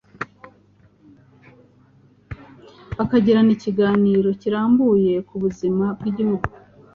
bakagirana ikiganiro kirambuye ku buzima bw'Igihugu